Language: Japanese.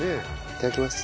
いただきます。